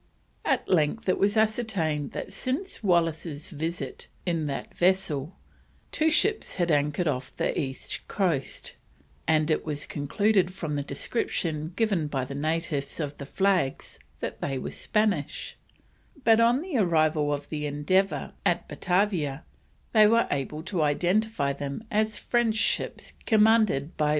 At length it was ascertained that since Wallis's visit in that vessel, two ships had anchored off the east coast, and it was concluded from the description given by the natives of the flags that they were Spanish, but on the arrival of the Endeavour at Batavia they were able to identify them as the French ships commanded by M.